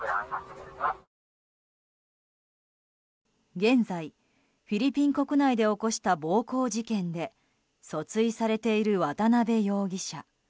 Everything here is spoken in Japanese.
現在、フィリピン国内で起こした暴行事件で訴追されている渡邉容疑者。